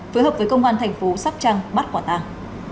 phối hợp với công an thành phố sóc trăng bắt quả tàng